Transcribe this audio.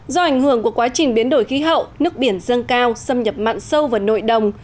do ảnh hưởng của quá trình biến đổi khí hậu nước biển dâng cao xâm nhập mặn sâu vào nội đồng